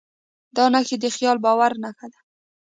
دا نښې د خیالي باور نښه ده.